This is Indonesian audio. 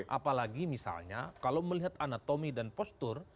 apalagi misalnya kalau melihat anatomi dan postur